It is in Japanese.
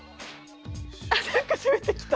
あなんか攻めてきた！